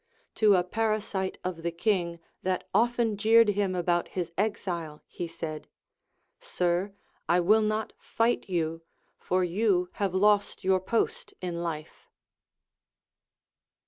To a para site of the king that often jeered him about his exile he said : Sir, I will not fight you, for you have lost your post in life.